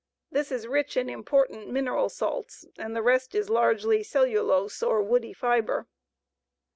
This is rich in important mineral salts, and the rest is largely cellulose, or woody fibre.